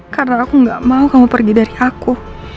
karena aku gak mau kamu pergi dari aku